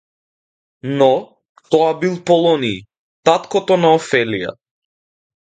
Но, тоа бил Полониј, таткото на Офелија.